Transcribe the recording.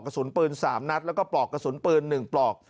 กระสุนปืน๓นัดแล้วก็ปลอกกระสุนปืน๑ปลอก